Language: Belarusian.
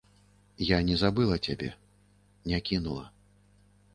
Я не забыла цябе, не кінула.